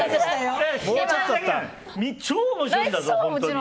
超面白いんだぞ。